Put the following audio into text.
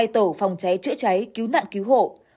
hai tổ phòng cháy chữa cháy cứu nạn cứu hộ